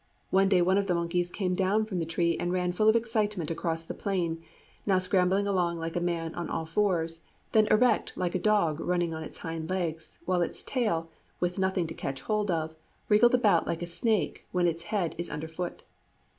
One day one of the monkeys came down from the tree and ran full of excitement across the plain, now scrambling along like a man on all fours, then erect like a dog running on its hind legs, while its tail, with nothing to catch hold of, wriggled about like a snake when its head is under foot.